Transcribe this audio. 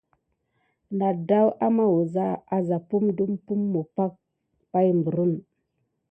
Na ədaw ama wəza aza pum dupummo pake pay mbrən.